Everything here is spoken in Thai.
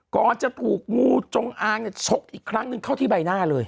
ก่อนจะถูกงูจงอางชกอีกครั้งหนึ่งเข้าที่ใบหน้าเลย